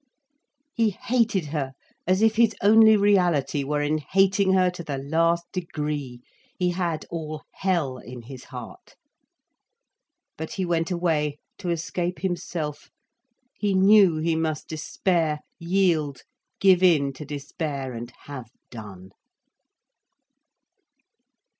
He hated her as if his only reality were in hating her to the last degree. He had all hell in his heart. But he went away, to escape himself. He knew he must despair, yield, give in to despair, and have done.